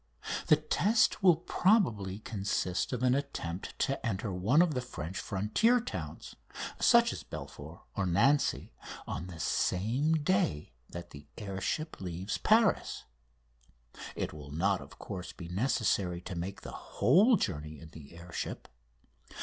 The test will probably consist of an attempt to enter one of the French frontier towns, such as Belfort, or Nancy, on the same day that the air ship leaves Paris. It will not, of course, be necessary to make the whole journey in the air ship.